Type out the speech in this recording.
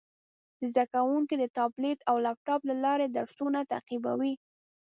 زده کوونکي د ټابلیټ او لپټاپ له لارې درسونه تعقیبوي.